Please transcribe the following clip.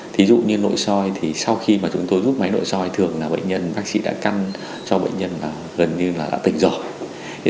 thí dụ như nội soi thì sau khi mà chúng tôi giúp máy nội soi thường là bệnh nhân bác sĩ đã căn cho bệnh nhân là gần như là đã tịnh rồi